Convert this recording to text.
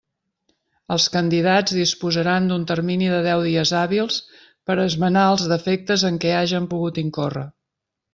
Els candidats disposaran d'un termini de deu dies hàbils per esmenar els defectes en què hagen pogut incórrer.